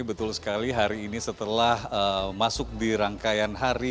betul sekali hari ini setelah masuk di rangkaian hari